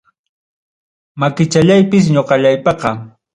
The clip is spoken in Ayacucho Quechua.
Makichallaypis ñoqallaypaqa.